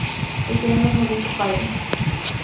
Ese año murió su padre.